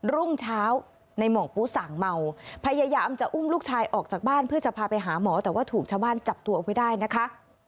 รุ่งเช้าในหม่องปูสั่งเมาพยายามจะอุ้มลูกชายออกจากบ้านเพื่อจะพาไปหาหมอแต่ว่าถูกชาวบ้านจับตัวเอาไว้ได้นะคะ